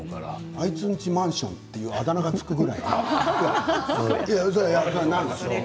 あいつんちマンションってあだ名がつくぐらいでした。